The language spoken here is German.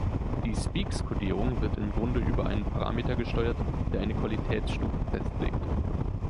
Die Speex-Kodierung wird im Grunde über einen Parameter gesteuert, der eine Qualitätsstufe festlegt.